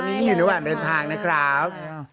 อันนี้อยู่ระหว่างเดินทางนะครับ